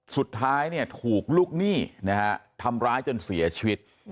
สุดท้ายถูกลูกหนี้นะฮะทำร้ายจนเสียชีวิต